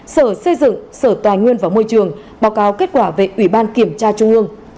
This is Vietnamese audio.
sở xây dựng sở tài nguyên và môi trường báo cáo kết quả về ủy ban kiểm tra trung ương